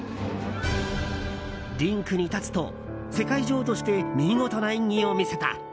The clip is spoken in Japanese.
リンクに立つと世界女王として見事な演技を見せた。